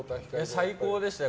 最高でしたよ。